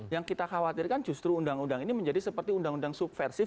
yang kita khawatirkan justru undang undang ini menjadi seperti undang undang subversif